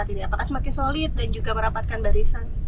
kelihatan semakin solid dan juga merapatkan dari sana